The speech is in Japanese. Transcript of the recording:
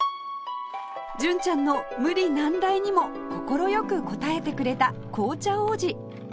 純ちゃんの無理難題にも快く応えてくれた紅茶王子